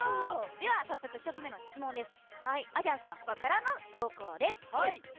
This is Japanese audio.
早速、１つ目の質問です。